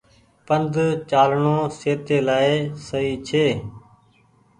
پند چآلڻو سهتي لآئي سئي ڇي۔